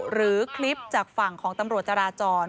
หรือคลิปจากฝั่งของตำรวจจราจร